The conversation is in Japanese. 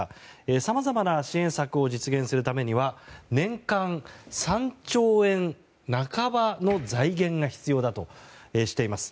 さまざまな支援策を実現するためには年間３兆円半ばの財源が必要だとしています。